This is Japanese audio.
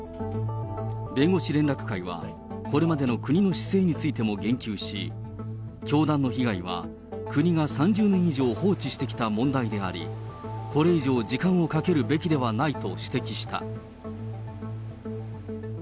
弁護士連絡会はこれまでの国の姿勢についても言及し、教団の被害は国が３０年以上放置してきた問題であり、これ以上、時間をかけるべきではないと指摘した。